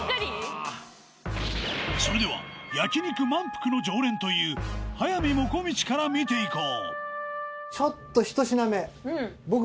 それでは焼肉まんぷくの常連という速水もこみちから見ていこうちょっと。